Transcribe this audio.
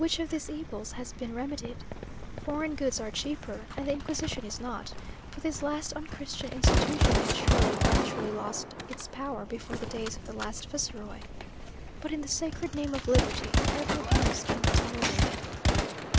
Which of these evils has been remedied? Foreign goods are cheaper, and the Inquisition is not; but this last unchristian institution had surely gradually lost its power before the days of the last viceroy? But in the sacred name of Liberty, every abuse can be tolerated.